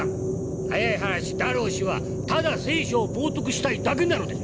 早い話ダロウ氏はただ「聖書」を冒とくしたいだけなのです。